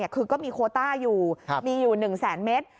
คือก็มีโคต้าอยู่มีอยู่๑แสนเมตร